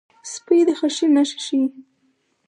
سپي د خوښۍ نښې ښيي.